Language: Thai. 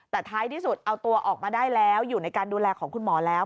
แต่ท้ายที่สุดเอาตัวออกมาได้แล้วอยู่ในการดูแลของคุณหมอแล้ว